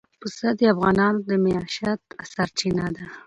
پسه د افغانانو د معیشت سرچینه ده.